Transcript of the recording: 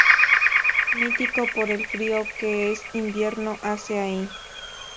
Mítico por el frío que en invierno hace allí.